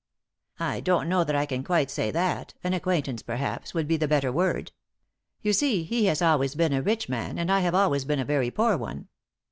" I don't know that I can quite say that — an acquaintance, perhaps, would be the better word. You see, he has always been a rich man, and I have always been a very poor one."